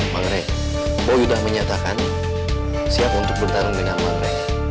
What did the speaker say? mangre boy udah menyatakan siap untuk bertarung di nama mangre